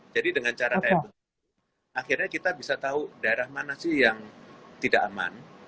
jadi dengan cara akhirnya kita bisa tahu daerah mana sih yang tidak aman